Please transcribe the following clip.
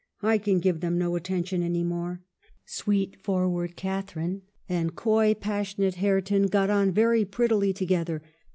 I can give them no attention any more." Sweet, forward Catharine and coy, passionate 2?6 EMILY BRONTE. Hareton got on very prettily together.